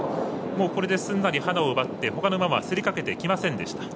これで、すんなりハナを奪ってほかの馬は競りかけてきませんでした。